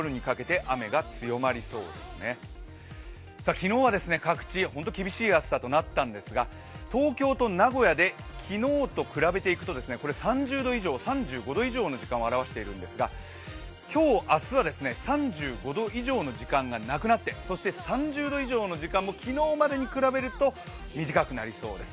昨日は各地、本当に厳しい暑さとなったんですが東京と名古屋で昨日と比べていくと３０度以上、３５度以上の時間を表しているんですが今日、明日は３５度以上の時間がなくなって、３０度以上の時間も昨日までに比べると少なくなりそうです。